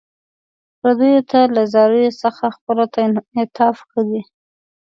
پردیو ته له زاریو څخه خپلو ته انعطاف ښه دی.